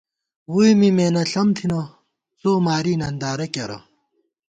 ووئی می مېنہ ݪم تھنہ ، څو ماری نندارہ کېرہ